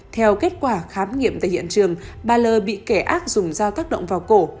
theo kết quả khám nghiệm tại hiện trường bà l bị kẻ ác dùng dao tác động vào cổ